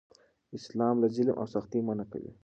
اسلام له ظلم او سختۍ منع کوي.